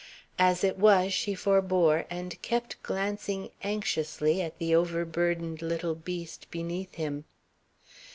As it was she forbore, and kept glancing anxiously at the over burdened little beast beneath him.